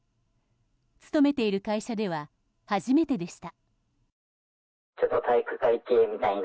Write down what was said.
勤めている会社では初めてでした。